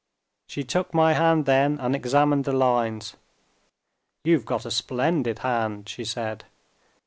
"She took my hand then and examined the lines. 'You've got a splendid hand,' she said."